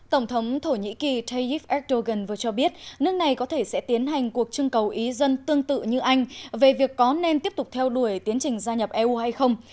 tổng thống thổ nhĩ kỳ tayyip erdogan vừa cho biết nước này có thể sẽ tiến hành cuộc trưng cầu ý dân tương tự như anh về việc có nên tiếp tục theo đuổi tiến trình gia nhập eu hay không